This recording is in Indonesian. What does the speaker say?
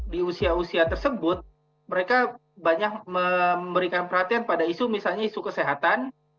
di usia usia tersebut mereka banyak memberikan perhatian pada isu misalnya isu kesehatan